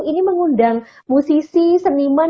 ini mengundang musisi seniman